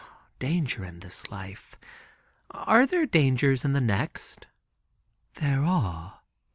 "Dangers in this life, are there dangers in the next?" "There are."